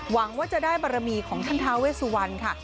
หวังว่าจะได้บารมีของท่านทาเวสุวรรณค่ะ